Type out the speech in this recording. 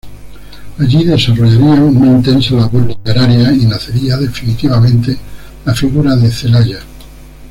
Allí desarrollarían una intensa labor literaria y nacería definitivamente la figura de Celaya.